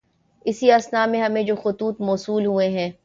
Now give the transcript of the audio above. اس اثنا میں ہمیں جو خطوط موصول ہوئے ہیں